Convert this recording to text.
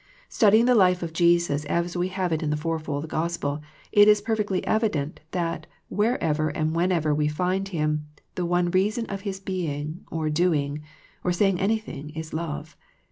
Studying the life of Jesus as we have it in the fourfold Gospel, it is perfectly evident that wherever and whenever we find Him the one reason of His being, or doing, or saying anything is love.